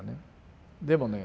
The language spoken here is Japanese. でもね